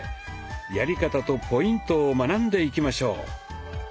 やり方とポイントを学んでいきましょう。